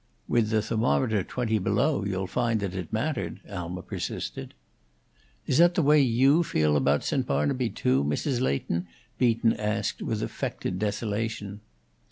"With the thermometer twenty below, you'd find that it mattered," Alma persisted. "Is that the way you feel about St. Barnaby, too, Mrs. Leighton?" Beaton asked, with affected desolation.